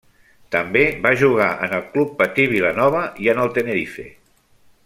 També va jugar en el Club Patí Vilanova, i en el Tenerife.